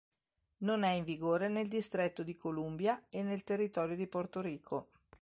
Non è in vigore nel Distretto di Columbia e nel territorio di Porto Rico.